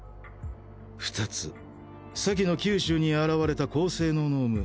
２つ先の九州に現れた高性能脳無。